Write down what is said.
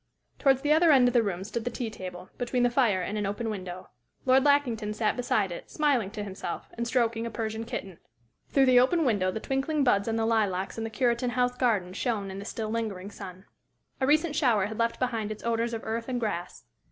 Towards the other end of the room stood the tea table, between the fire and an open window. Lord Lackington sat beside it, smiling to himself, and stroking a Persian kitten. Through the open window the twinkling buds on the lilacs in the Cureton House garden shone in the still lingering sun. A recent shower had left behind it odors of earth and grass.